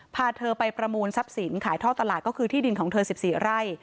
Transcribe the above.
พาเธอไปประมูลทรัพย์สินขายท่อตลาดก็คือที่ดินของเธอ๑๔ไร่